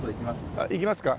あっ行きますか？